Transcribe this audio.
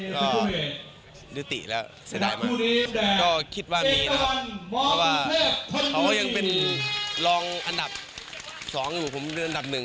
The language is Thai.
ก็นิติแล้วเสียดายมากก็คิดว่ามีนะเพราะว่าเขายังเป็นรองอันดับ๒อยู่กับผมด้วยอันดับ๑